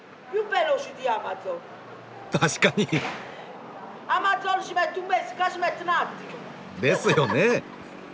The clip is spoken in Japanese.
確かに！ですよね。ははっ。